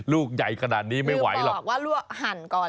ลูกใหญ่ขนาดนี้ไม่ไหวหรอกบอกว่าลวกหั่นก่อน